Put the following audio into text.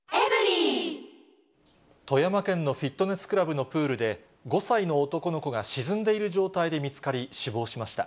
富山県のフィットネスクラブのプールで、５歳の男の子が沈んでいる状態で見つかり、死亡しました。